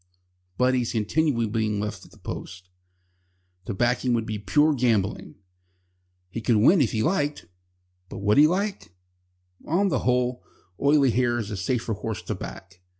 But he is continually being left at the post. To back him would be pure gambling. He could win if he liked, but would he like? On the whole, Oily Hair is a safer horse to back.